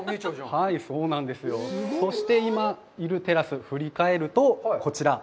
そして今、テラスを振り返ると、こちら。